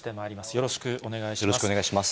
よろしくお願いします。